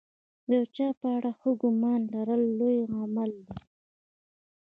د یو چا په اړه ښه ګمان لرل لوی عمل دی.